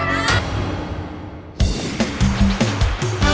ไม่ใช้